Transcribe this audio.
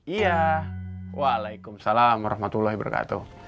iya walaikumsalam warahmatullahi wabarakatuh